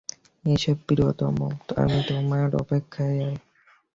এসো প্রিয়তম আমি তোমার অপেক্ষায়।